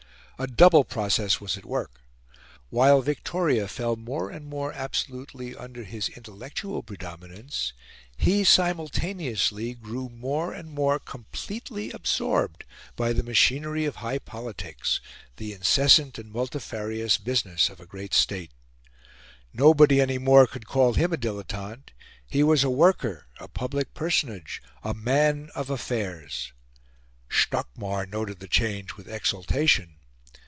A double process was at work; while Victoria fell more and more absolutely under his intellectual predominance, he, simultaneously, grew more and more completely absorbed by the machinery of high politics the incessant and multifarious business of a great State. Nobody any more could call him a dilettante; he was a worker, a public personage, a man of affairs. Stockmar noted the change with exultation.